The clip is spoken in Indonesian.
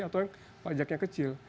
atau yang pajaknya kecil